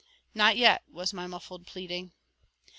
"Not yet," was my muffled pleading.